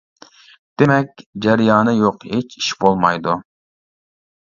دېمەك، جەريانى يوق ھېچ ئىش بولمايدۇ.